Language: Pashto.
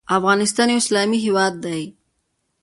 افغانستان یو اسلامي هیواد دی.